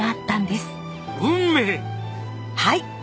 はい。